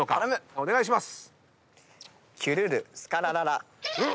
お願いします。